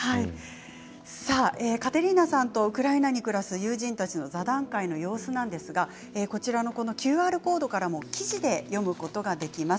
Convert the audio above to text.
カテリーナさんとウクライナに暮らすご友人たちの座談会の様子はこちらのＱＲコードからも記事で読むことができます。